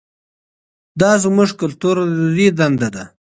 دا زموږ کلتوري دنده ده.